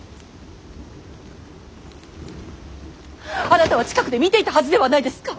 あなたは近くで見ていたはずではないですか！